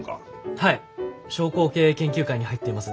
はい商工経営研究会に入っています。